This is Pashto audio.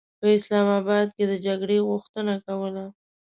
په اسلام اباد کې د جګړې غوښتنه کوله.